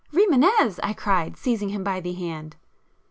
"Rimânez!" I cried, seizing him by the hand.